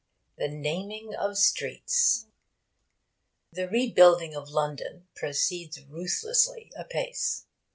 THE NAMING OF STREETS 'The Rebuilding of London' proceeds ruthlessly apace.